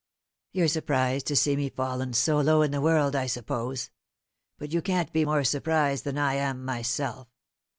You're surprised to see me fallen so low in the world, I suppose; but you can't be more surprised than I am myself.